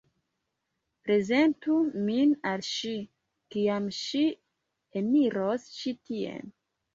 Prezentu min al ŝi, kiam ŝi eniros ĉi tien!